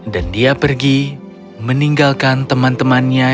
dan dia pergi meninggalkan teman temannya